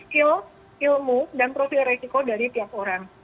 skill ilmu dan profil resiko dari tiap orang